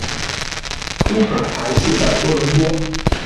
Cooper 还住在多伦多。